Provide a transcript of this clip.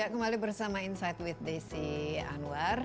kembali bersama insight with desi anwar